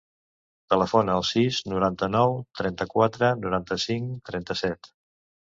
Telefona al sis, noranta-nou, trenta-quatre, noranta-cinc, trenta-set.